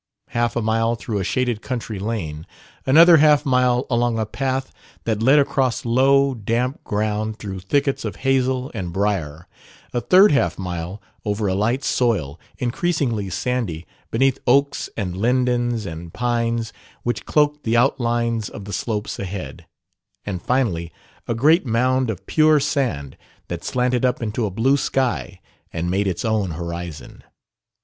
Half a mile through a shaded country lane; another half mile along a path that led across low, damp ground through thickets of hazel and brier; a third half mile over a light soil, increasingly sandy, beneath oaks and lindens and pines which cloaked the outlines of the slopes ahead; and finally a great mound of pure sand that slanted up into a blue sky and made its own horizon.